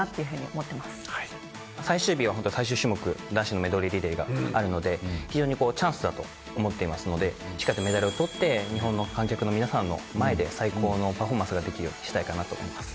最終日はホント最終種目男子のメドレーリレーがあるので非常にこうチャンスだと思っていますのでしっかりとメダルを取って日本の観客の皆さんの前で最高のパフォーマンスができるようにしたいかなと思います。